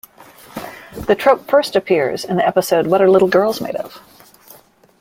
The trope first appears in the episode What Are Little Girls Made Of?